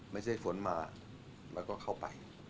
ไม่ใช่ฝนมาแล้วก็เข้าไป